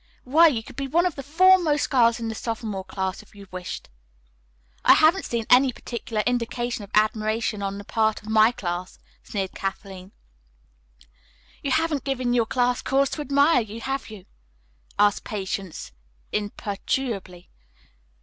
Why, you could be one of the foremost girls in the sophomore class if you wished." "I haven't seen any particular indication of admiration on the part of my class," sneered Kathleen. "You haven't given your class cause to admire you, have you?" asked Patience imperturbably.